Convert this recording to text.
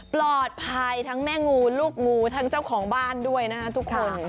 ปลอดภัยทั้งแม่งูลูกงูทั้งเจ้าของบ้านด้วยนะคะทุกคน